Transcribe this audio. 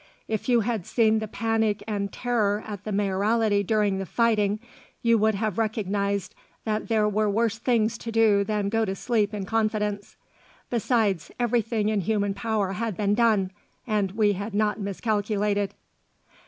If you had seen the panic and terror at the Mayoralty during the fighting, you would have recognised that there were worse things to do than to go to sleep in confidence. Besides, everything in human power had been done; and we had not miscalculated."